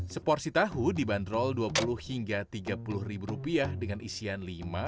seporsi tahu dibanderol dua puluh hingga tiga puluh ribu rupiah dengan isian lima rupiah